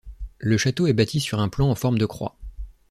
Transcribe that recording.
Le château est bâti sur un plan en forme de croix.